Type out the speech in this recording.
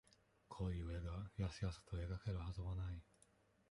こういう絵が、やすやすと描けるはずはない。